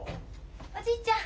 おじいちゃん。